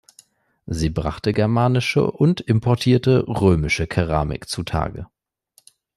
Sie brachte germanische und importierte römischer Keramik zutage.